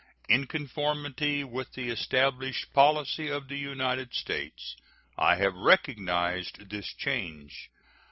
In conformity with the established policy of the United States, I have recognized this change.